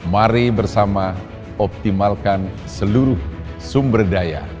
mari bersama optimalkan seluruh sumber daya